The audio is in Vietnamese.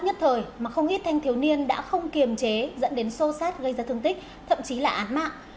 nhất thời mà không ít thanh thiếu niên đã không kiềm chế dẫn đến sô sát gây ra thương tích thậm chí là án mạng